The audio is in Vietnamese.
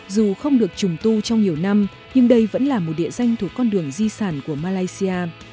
dù không được trùng tu trong nhiều năm nhưng đây vẫn là một địa danh thuộc con đường di sản của malaysia